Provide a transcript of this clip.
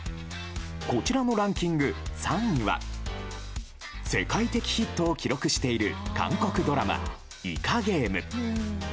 こちらのランキング３位は世界的ヒットを記録している韓国ドラマ「イカゲーム」。